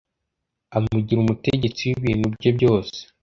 amugira umutegetsi w'ibintu bye byose